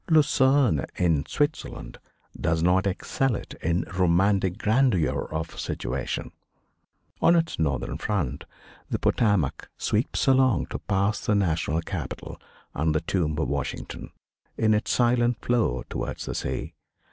Lucerne, in Switzerland does not excel it in romantic grandeur of situation. On its northern front the Potomac sweeps along to pass the national capital, and the tomb of Washington, in its silent flow towards the sea.